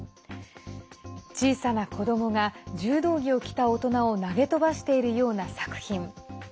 小さな子どもが柔道着を着た大人を投げ飛ばしているような作品。